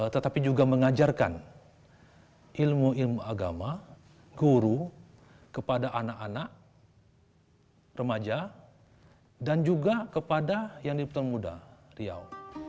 tetapi juga mengajarkan ilmu ilmu agama guru kepada anak anak remaja dan juga kepada yang dipermuda riau